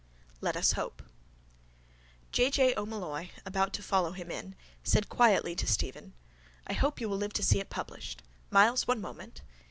LET US HOPE J. J. O'Molloy, about to follow him in, said quietly to Stephen: —I hope you will live to see it published. Myles, one moment.